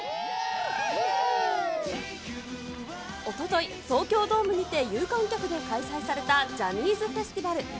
おととい、東京ドームにて、有観客で開催されたジャニーズフェスティバル。